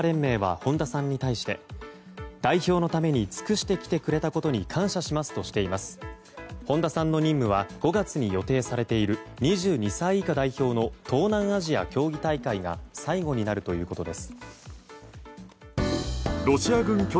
本田さんの任務は５月に予定されている２２歳以下代表の東南アジア競技大会が最後になるということです。